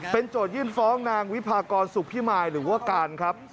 โจทยื่นฟ้องนางวิพากรสุขพิมายหรือว่าการครับ